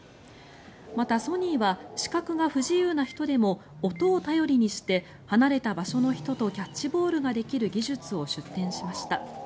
また、ソニーは視覚が不自由な人でも音を頼りにして離れた場所の人とキャッチボールができる技術を出展しました。